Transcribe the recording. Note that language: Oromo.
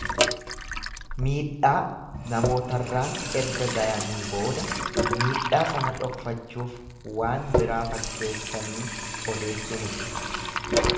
Miidhaa namootarraan erga gayanii booda miidhaa sana dhoksachuuf waan biraa fakkeessanii odeessuu mul'isa.